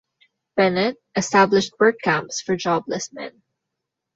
Bennett, established work camps for jobless men.